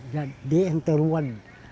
jadi enggak ruan